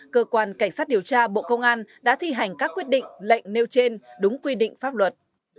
cơ quan cảnh sát điều tra bộ công an đã thi hành các quyết định lệnh nêu trên đúng quy định pháp luật